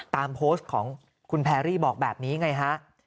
ตามโพสต์ของคุณแพรรี่บอกแบบนี้ไงฮะ